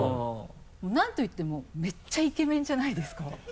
もう何と言ってもめっちゃイケメンじゃないですか？